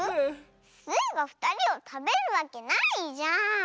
スイがふたりをたべるわけないじゃん。